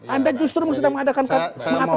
anda justru mengataskan konstitusi